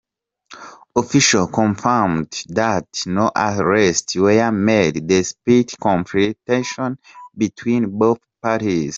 Officials confirmed that no arrests were made despite confrontations between both parties.